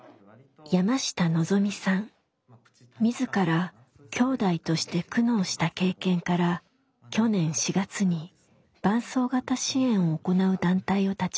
自らきょうだいとして苦悩した経験から去年４月に伴走型支援を行う団体を立ち上げました。